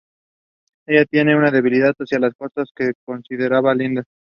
Ella tiene una debilidad hacia las cosas que considera lindas.